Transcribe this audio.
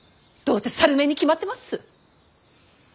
どうせ猿面に決まってます。